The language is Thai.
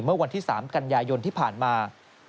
เมื่อวันที่๓กันยายนที่ผ่านมา